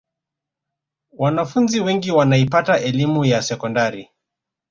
wanafunzi wengi wanaipata elimu ya sekondari